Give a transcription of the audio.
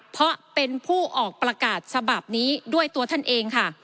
เพราะเป็นผู้ออกประกาศฉบับนี้ด้วยตัวท่านเองค่ะ